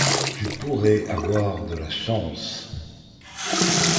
tu pourrais avoir de la chance.